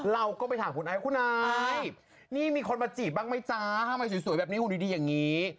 เราก็ไปถามคุณไอซ์คุณไอนี่มีคนมาจีบบ้างไหมจ๊ะทำไมสวยแบบนี้หุ่นดีอย่างนี้